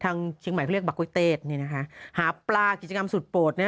ทางช่วงใหม่เคยเรียกบักก้วยเต็ดหาปลากิจกรรมสูตรโปรด